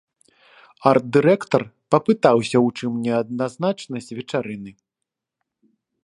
Арт-дырэктар папытаўся ў чым неадназначнасць вечарыны.